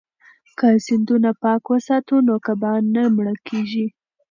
که سیندونه پاک وساتو نو کبان نه مړه کیږي.